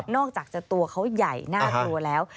อกจากจะตัวเขาใหญ่น่ากลัวแล้ว